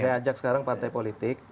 saya ajak sekarang partai politik